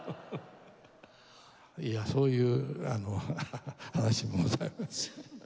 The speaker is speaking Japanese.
いやそういうあの話もございます。